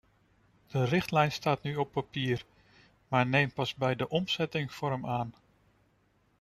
De richtlijn staat nu op papier, maar neemt pas bij de omzetting vorm aan.